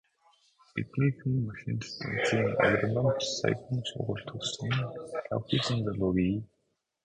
Тэндхийн машинт станцын агрономич, саяхан сургууль төгссөн шавхийсэн залуу бий.